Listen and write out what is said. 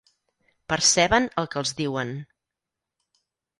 Perceben el que els diuen.